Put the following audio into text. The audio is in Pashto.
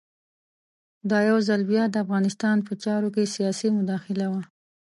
دا یو ځل بیا د افغانستان په چارو کې سیاسي مداخله وه.